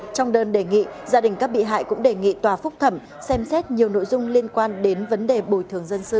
trong đơn đề nghị gia đình các bị hại cũng đề nghị tòa phúc thẩm xem xét nhiều nội dung liên quan đến vấn đề bồi thường dân sự